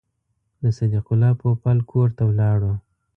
د صدیق الله پوپل کور ته ولاړو.